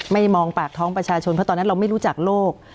มองปากท้องประชาชนเพราะตอนนั้นเราไม่รู้จักโลก